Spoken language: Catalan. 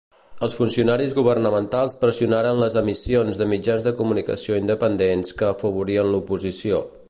Els funcionaris governamentals pressionaren les emissions de mitjans de comunicació independents que afavorien l'oposició.